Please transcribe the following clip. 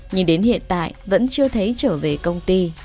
nhưng đến hiện tại vẫn chưa thấy trở về công ty